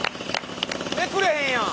めくれへんやん。